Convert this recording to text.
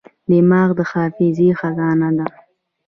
دماغ د حافظې خزانه ده.